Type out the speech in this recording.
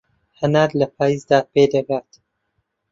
هەنار لە پایزدا پێدەگات.